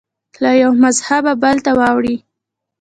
له یوه مذهبه بل ته واوړي